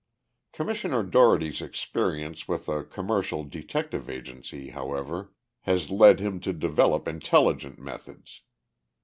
Commissioner Dougherty's experience with a commercial detective agency, however, has led him to develop intelligent methods.